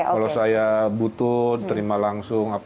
kalau saya butuh terima langsung